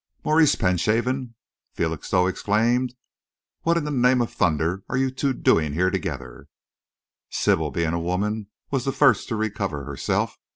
"Maurice Penhaven!" Felixstowe exclaimed. "What in the name of thunder are you two doing here together?" Sybil, being a woman, was the first to recover herself.